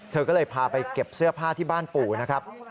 เธอก็เลยพาไปเก็บเสื้อผ้าที่บ้านปู่นะครับ